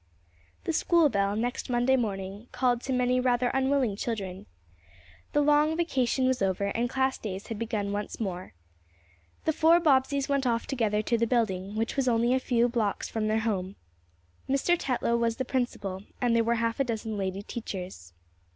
The school bell, next Monday morning, called to many rather unwilling children. The long vacation was over and class days had begun once more. The four Bobbseys went off together to the building, which was only a few blocks from their home. Mr. Tetlow was the principal, and there were half a dozen lady teachers.